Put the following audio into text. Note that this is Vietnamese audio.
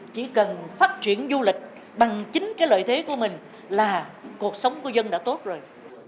chỉ cần phát triển du lịch bằng chính lợi thế của mình là cuộc sống của dân đã tốt rồi